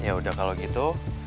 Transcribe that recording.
yaudah kalau gitu